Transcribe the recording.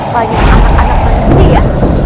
banyak anak anak manusia